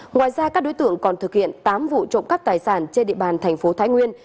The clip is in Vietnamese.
ngoài ra các đối tượng còn thực hiện tám vụ trộm cắp tài sản trên địa bàn thành phố thái nguyên